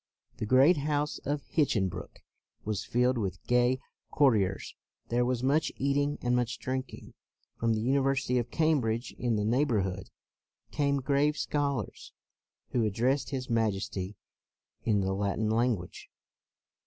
The great house of Hinchinbrook was filled with gay cour tiers. There was much eating and much drinking. From the University of Cam bridge in the neighborhood came grave scholars who addressed his Majesty in the Latin language.